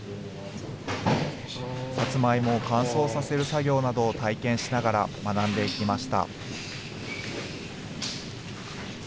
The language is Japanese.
さつまいもを乾燥させる作業などを体験しながら学んでいきました。